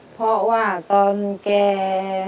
เพราะว่าตอนแก